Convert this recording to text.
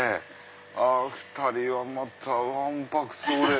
２人はまたわんぱくそうで。